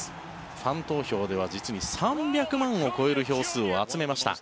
ファン投票では実に３００万を超える票数を集めました。